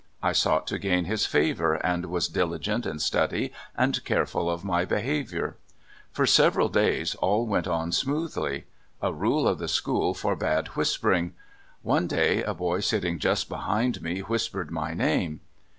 I sought to gain his favor, and was diligent in study and careful of my behavior. For several days all went on smoothly. A rule of the 62 Blighted school forbade wliispering. One day a boy sitting just behind me whispered my name.